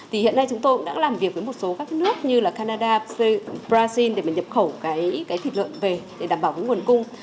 hiện nay chúng tôi cũng đã làm việc với một số các nước như canada brazil để nhập khẩu thịt lợn về để đảm bảo nguồn cung